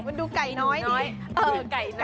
มันดูไก่น้อยดี